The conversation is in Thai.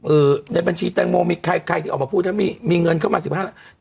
ในบัญชีแตงโมมีใครใครที่ออกมาพูดถ้ามีมีเงินเข้ามาสิบห้าล้าน